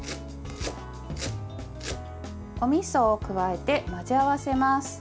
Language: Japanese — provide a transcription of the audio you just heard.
おみそを加えて混ぜ合わせます。